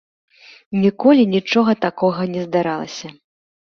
Ніколі нічога такога не здаралася.